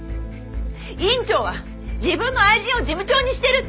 院長は自分の愛人を事務長にしてる！